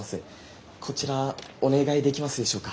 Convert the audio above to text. こちらお願いできますでしょうか。